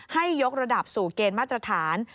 ให้ยกระดับสู่เกณฑ์มาตรฐาน